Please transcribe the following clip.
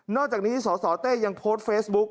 อกจากนี้สสเต้ยังโพสต์เฟซบุ๊ก